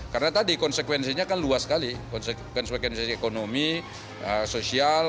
karena tadi konsekuensinya kan luas sekali konsekuensi ekonomi sosial